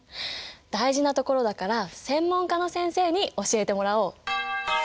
大事なところだから専門家の先生に教えてもらおう。